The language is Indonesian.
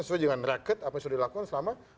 sesuai dengan raket apa yang sudah dilakukan selama